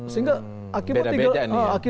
sehingga akibat ada tigalisme ini